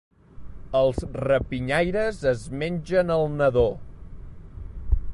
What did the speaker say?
Els rapinyaires es mengen el nadó.